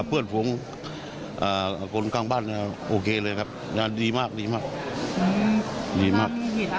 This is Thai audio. เป็นน่ำใจมากครับ